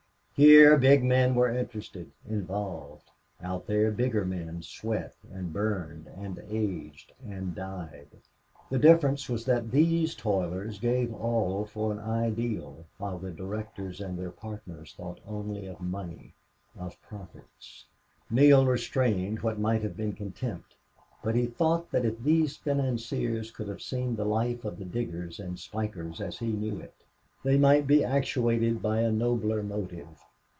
Here big men were interested, involved; out there bigger men sweat and burned and aged and died. The difference was that these toilers gave all for an ideal while the directors and their partners thought only of money, of profits. Neale restrained what might have been contempt, but he thought that if these financiers could have seen the life of the diggers and spikers as he knew it they might be actuated by a nobler motive.